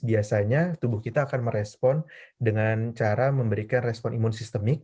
biasanya tubuh kita akan merespon dengan cara memberikan respon imun sistemik